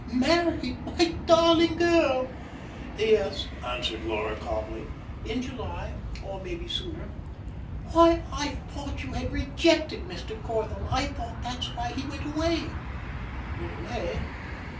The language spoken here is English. Married? My darling girl!" "Yes," answered Laura calmly. "In July or maybe sooner." "Why, I thought you had rejected Mr. Corthell. I thought that's why he went away." "Went away?